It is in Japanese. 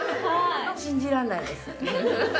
信じられないです。